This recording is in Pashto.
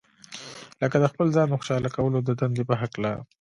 لکه د خپل ځان د خوشاله کولو د دندې په هکله.